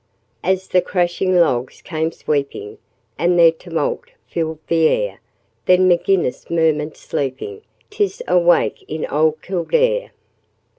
As the crashing logs came sweeping, And their tumult filled the air, Then M'Ginnis murmured, sleeping, ''Tis a wake in ould Kildare.'